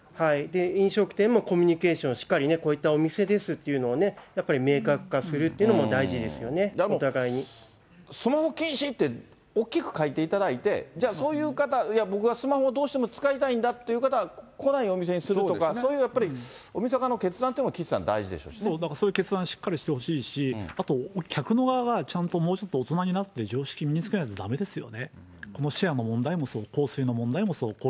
飲食店もコミュニケーションをしっかり、こういったお店ですっていうのをやっぱり明確化するといスマホ禁止って、大きく書いていただいて、じゃあ、そういう方、僕はスマホどうしても使いたいんだっていう方は来ないお店にするとか、そういうやっぱり、お店側の決断っていうのも、岸さん、そういう決断、しっかりしてほしいし、あと客の側が、ちゃんともうちょっと大人になって常識身につけないとだめですよ